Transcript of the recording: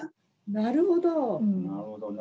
なるほどね。